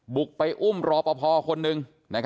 บุกไปอุ้มรอบปอภาคนนึง